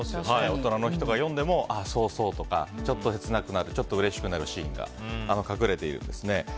大人の人が読んでもそうそうとかちょっとうれしくなるちょっと切なくなるシーンが隠れているんですね。